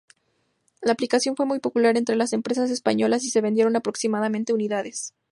La aplicación fue muy popular entre las empresas españolas y se vendieron aproximadamente unidades.